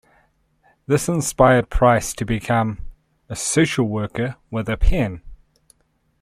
This inspired Price to become "a social worker with a pen".